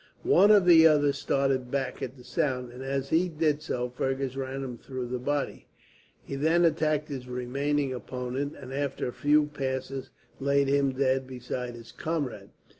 One of the others started back at the sound, and as he did so Fergus ran him through the body. He then attacked his remaining opponent, and after a few passes laid him dead beside his comrade.